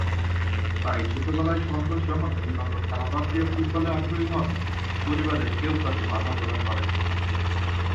তাই ছোটবেলায় সন্তোষ যখন অন্যান্য খেলা বাদ দিয়ে ফুটবলে আগ্রহী হন, পরিবারের কেউ তাতে বাধা প্রদান করেন নি।